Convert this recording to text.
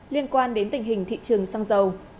liên quan đến tình hình thị trường xăng sáng